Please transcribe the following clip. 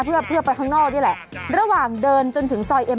เพื่อเพื่อไปข้างนอกนี่แหละระหว่างเดินจนถึงซอยเอ็ม